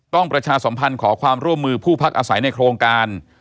ประชาสมพันธ์ขอความร่วมมือผู้พักอาศัยในโครงการ